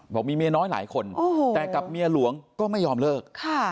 บอกมีเมียน้อยหลายคนแต่กับเมียหลวงก็ไม่ยอมเลิก